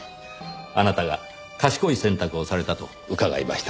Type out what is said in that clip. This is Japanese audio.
あなたが賢い選択をされたと伺いました。